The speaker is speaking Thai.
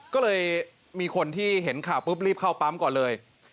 ก็เลยมีคนที่เห็นข่าวปุ๊บรีบเข้าปั๊มก่อนเลย